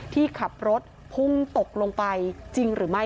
ที่ขับรถพุ่งตกลงไปจริงหรือไม่